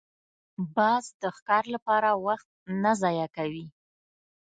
باز د ښکار لپاره وخت نه ضایع کوي